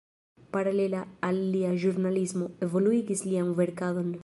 Paralela al lia ĵurnalismo, evoluigis lian verkadon.